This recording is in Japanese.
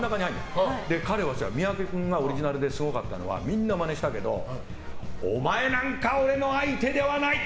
彼は違う、三宅君がオリジナルですごかったのはみんなマネしたけどお前なんか俺の相手ではない！